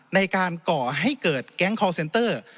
ในการก่อให้เกิดแก๊งคอร์ลเซ็นเตอร์